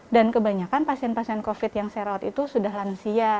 dan kebanyakan pasien pasien covid sembilan belas yang saya merawat itu sudah lansia